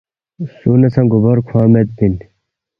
سُو نہ سہ گوبور کھوانگ میدپی اِن